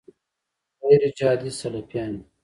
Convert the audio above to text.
غیرجهادي سلفیان دي.